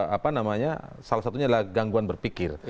apa namanya salah satunya adalah gangguan berpikir